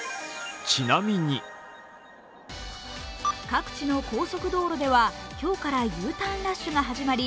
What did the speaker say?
各地の高速道路では、今日からＵターンラッシュが始まり